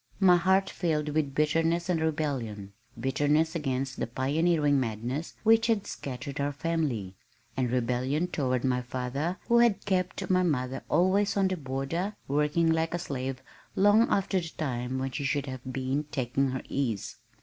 My heart filled with bitterness and rebellion, bitterness against the pioneering madness which had scattered our family, and rebellion toward my father who had kept my mother always on the border, working like a slave long after the time when she should have been taking her ease.